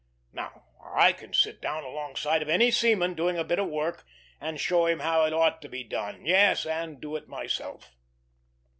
Now I can sit down alongside of any seaman doing a bit of work and show him how it ought to be done; yes, and do it myself."